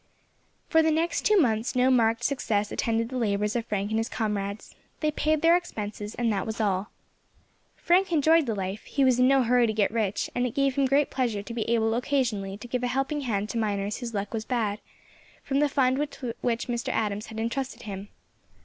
For the next two months no marked success attended the labours of Frank and his comrades, they paid their expenses, and that was all. Frank enjoyed the life; he was in no hurry to get rich, and it gave him great pleasure to be able occasionally to give a helping hand to miners whose luck was bad, from the fund with which Mr. Adams had intrusted him.